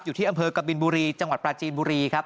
อยู่ที่อำเภอกบินบุรีจังหวัดปราจีนบุรีครับ